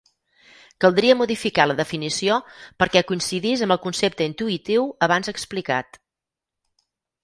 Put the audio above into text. Caldria modificar la definició perquè coincidís amb el concepte intuïtiu abans explicat.